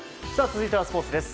続いてはスポーツです。